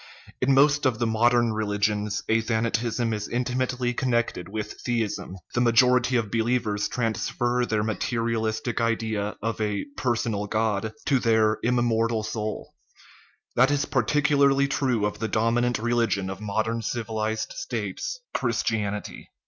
In most of the modern religions athanatism is intimately connected with the ism ; the majority of believers transfer their material istic idea of a " personal God" to their " immortal soul," '95 THE RIDDLE OF THE UNIVERSE That is particularly true of the dominant religion of modern civilized states, Christianity.